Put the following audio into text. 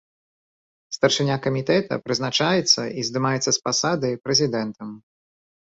Старшыня камітэта прызначаецца і здымаецца з пасады прэзідэнтам.